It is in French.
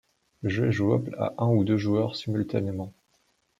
Le jeu est jouable à un ou deux joueurs simultanément.